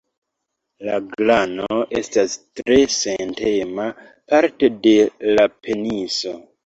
La glano estas tre sentema parto de la peniso.